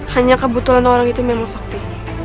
hanya kebetulan orang itu memang sakti